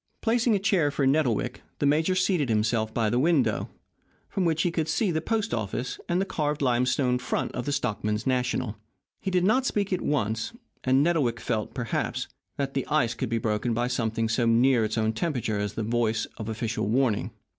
Placing a chair for Nettlewick, the major seated himself by the window, from which he could see the post office and the carved limestone front of the Stockmen's National. He did not speak at once, and Nettlewick felt, perhaps, that the ice could be broken by something so near its own temperature as the voice of official warning.